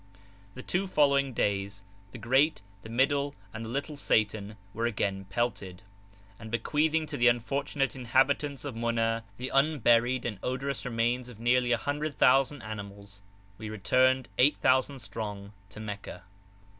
The two following days the Great, the Middle, and the Little Satan were again pelted, and, bequeathing to the unfortunate inhabitants of Muna the unburied and odorous remains of nearly a hundred thousand animals, we returned, eighty thousand strong, to Meccah.